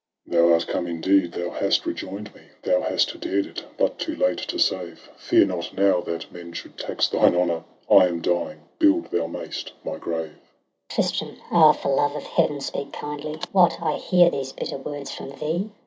Tristram. Thou art come, indeed — thou hast rejoin'd me; Thou hast dared it — but too late to save. Fear not now that men should tax thine honour! I am dying; build — (thou may'st) — my grave! TRISTRAM AND ISEULT. 209 Iseuli. Tristram, ah, for love of Heaven, speak kindly ! What, I hear these bitter words from thee?